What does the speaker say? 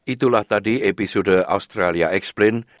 itulah tadi episode australia exprint